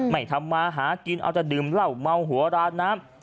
ไม่ทำมาหากินเอาแต่ดื่มเหล้าเมาหัวราน้ำ